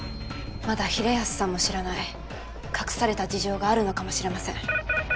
まだ平安さんも知らない隠された事情があるのかもしれません。